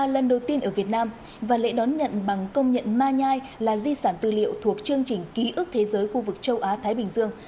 lần đầu tiên ở việt nam và lễ đón nhận bằng công nhận ma nhai là di sản tư liệu thuộc chương trình ký ức thế giới khu vực châu á thái bình dương